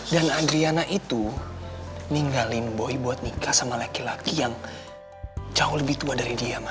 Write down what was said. dan adriana itu ninggalin boy buat nikah sama laki laki yang jauh lebih tua dari dia ma